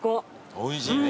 おいしいね